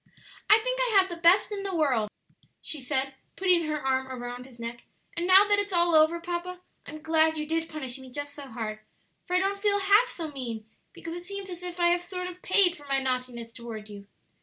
"I think I have the best in the world," she said, putting her arm round his neck; "and now that it's all over, papa, I'm glad you did punish me just so hard; for I don't feel half so mean, because it seems as if I have sort of paid for my naughtiness toward you."